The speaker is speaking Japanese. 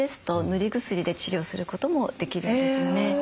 塗り薬で治療することもできるんですよね。